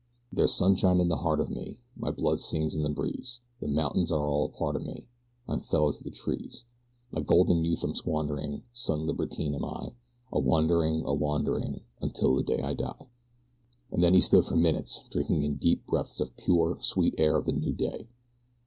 There's sunshine in the heart of me, My blood sings in the breeze; The mountains are a part of me, I'm fellow to the trees. My golden youth I'm squandering, Sun libertine am I, A wandering, a wandering, Until the day I die. And then he stood for minutes drinking in deep breaths of the pure, sweet air of the new day.